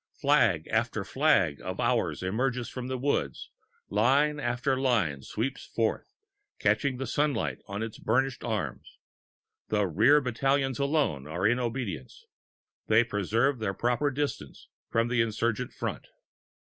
Flag after flag of ours emerges from the wood, line after line sweeps forth, catching the sunlight on its burnished arms. The rear battalions alone are in obedience; they preserve their proper distance from the insurgent front.